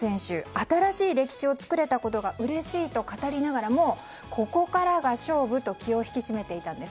新しい歴史を作れたことがうれしいと語りながらもここからが勝負と気を引き締めていたんです。